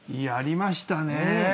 やりましたね。